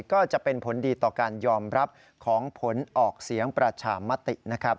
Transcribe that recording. ก็จะเป็นผลดีต่อการยอมรับของผลออกเสียงประชามตินะครับ